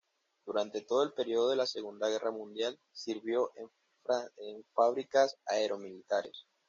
Durante todo el periodo de la segunda guerra mundial sirvió en fábricas aero-militares.